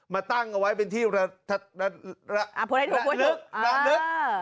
มาตั้งเอาไว้เป็นที่ลึกระลึก